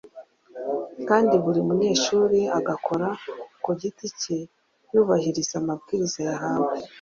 kandi buri munyeshuri agakora ku giti ke yubahiriza amabwiriza yahawe.